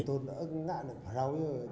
rồi anh ra được